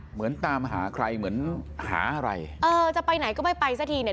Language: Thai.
เหมือนตามหาใครเหมือนหาอะไรเออจะไปไหนก็ไม่ไปสักทีเนี่ย